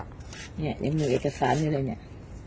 เนี่ยเนี่ยมีเอกสารนี่เลยเนี่ย